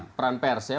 ini soal peran pers ya